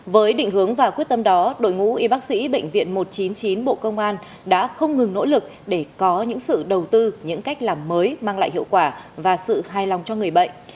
với định hướng và quyết tâm đó đội ngũ y bác sĩ bệnh viện một trăm chín mươi chín bộ công an đã không ngừng nỗ lực để có những sự đầu tư những cách làm mới mang lại hiệu quả và sự hài lòng cho người bệnh